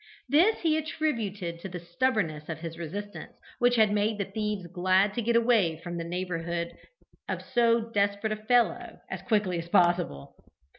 This he attributed to the stubbornness of his resistance, which had made the thieves glad to get away from the neighbourhood of so desperate a fellow as quickly as possible.